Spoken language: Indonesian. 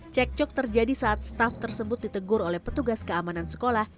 cekcok terjadi saat staf tersebut ditegur oleh petugas keamanan sekolah